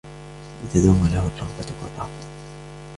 لِتَدُومَ لَهُ الرَّغْبَةُ وَالرَّهْبَةُ